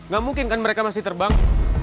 gak mungkin kan mereka masih terbang